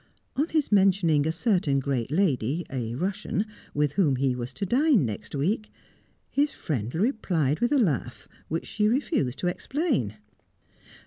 On his mentioning a certain great lady, a Russian, with whom he was to dine next week, his friend replied with a laugh, which she refused to explain.